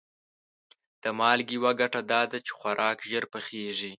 د مالګې یوه ګټه دا ده چې خوراک ژر پخیږي.